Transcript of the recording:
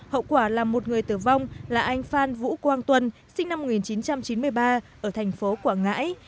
hậu quả là một người tử vong là anh phan vũ quang tuân sinh năm một nghìn chín trăm chín mươi ba ở thành phố quảng ngãi